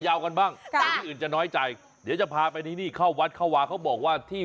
กันบ้างเดี๋ยวที่อื่นจะน้อยใจเดี๋ยวจะพาไปที่นี่เข้าวัดเข้าวาเขาบอกว่าที่